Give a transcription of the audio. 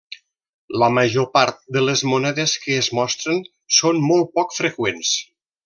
La major part de les monedes que es mostren són molt poc freqüents.